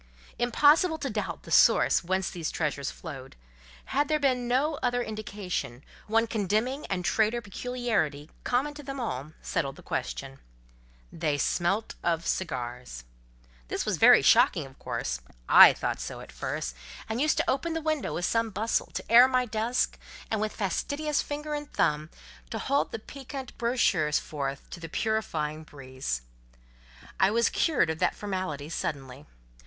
Impossible to doubt the source whence these treasures flowed: had there been no other indication, one condemning and traitor peculiarity, common to them all, settled the question—they smelt of cigars. This was very shocking, of course: I thought so at first, and used to open the window with some bustle, to air my desk, and with fastidious finger and thumb, to hold the peccant brochures forth to the purifying breeze. I was cured of that formality suddenly.